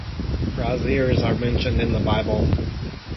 Braziers are mentioned in the Bible.